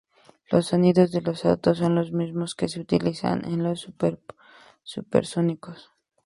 Los sonidos de los autos son los mismos que se utilizan en "Los Supersónicos".